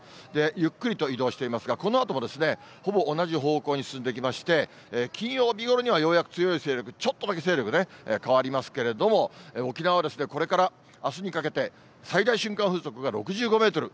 ゆっくりと移動してますが、このあともですね、ほぼ同じ方向に進んでいきまして、金曜日ごろにはようやく強い勢力、ちょっとだけ勢力変わりますけれども、沖縄はこれからあすにかけて、最大瞬間風速が６５メートル。